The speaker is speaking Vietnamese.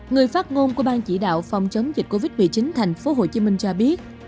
người phát ngôn của ban chỉ đạo phòng chống dịch covid một mươi chín tp hcm cho biết